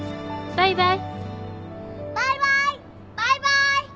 バイバイ。